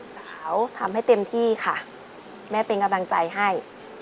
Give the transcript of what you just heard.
แต่เขาทำให้เต็มที่ค่ะแม่เป็นกำลังใจให้